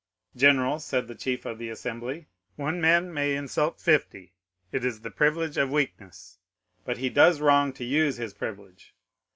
"'"General," said the chief of the assembly, "one man may insult fifty—it is the privilege of weakness. But he does wrong to use his privilege.